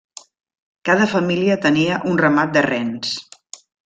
Cada família tenia un ramat de rens.